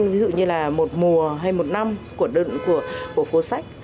ví dụ như là một mùa hay một năm của phố sách